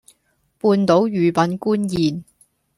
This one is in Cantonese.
半島御品官燕